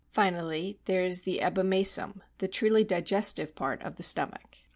Finally, there is the abomasum, the truly digestive part of the stomach.